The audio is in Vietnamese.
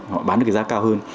họ bán được cái giá cao hơn